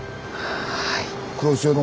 はい。